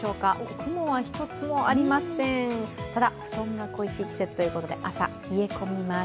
雲は一つもありません、ただ布団が恋しい季節ということで朝冷え込みます。